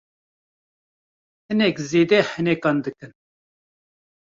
Hinek zêde henekan dikin.